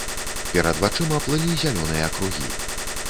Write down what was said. Перад вачыма плылі зялёныя кругі.